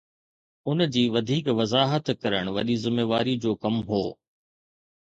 ان جي وڌيڪ وضاحت ڪرڻ وڏي ذميواري جو ڪم هو